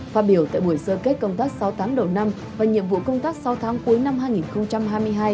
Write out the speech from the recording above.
phát biểu tại buổi sơ kết công tác sáu tháng đầu năm và nhiệm vụ công tác sáu tháng cuối năm hai nghìn hai mươi hai